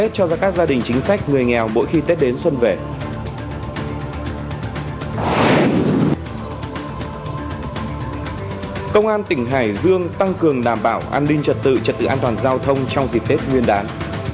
công an tỉnh hải dương tăng cường đảm bảo an ninh trật tự trật tự an toàn giao thông trong dịp tết nguyên đán